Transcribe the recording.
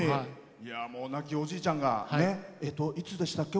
亡きおじいちゃんがいつでしたっけ？